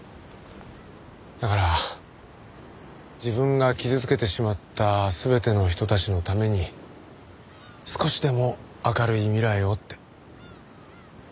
だから自分が傷つけてしまった全ての人たちのために少しでも明るい未来をって。